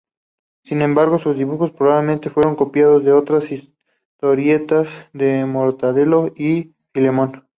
Sin embargo sus dibujos probablemente fueron copiados de otras historietas de Mortadelo y Filemón.